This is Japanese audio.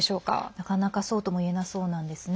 なかなか、そうともいえなそうなんですね。